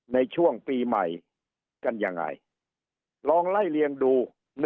ในช่วงปีใหม่กันยังไงลองไล่เลียงดู